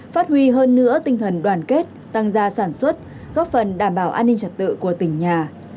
phát huy hơn nữa tinh thần đoàn kết tăng gia sản xuất góp phần đảm bảo an ninh trật tự của tỉnh nhà